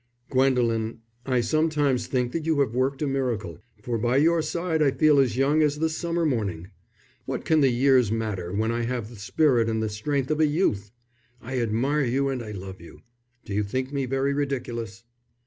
"Gwendolen, I sometimes think that you have worked a miracle, for by your side I feel as young as the summer morning. What can the years matter when I have the spirit and the strength of a youth! I admire you and I love you. Do you think me very ridiculous?"